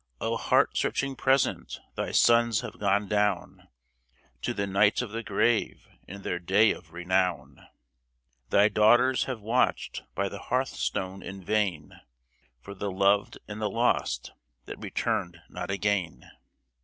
O heart searching Present, thy sons have gone down To the night of the grave in their day of renown ! Thy daughters have watched by the hearthstone in vain For the loved and the lost that returned not again.